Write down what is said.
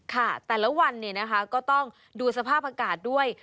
ค่ะแต่ละวันก็ต้องดูสภาพอากาศด้วย